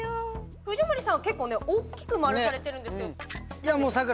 藤森さん、結構ね大きく丸されてるんですけど。